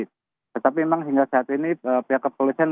tetapi memang sehingga saat ini pihak kepolosan